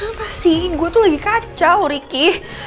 apa sih gue tuh lagi kacau ricky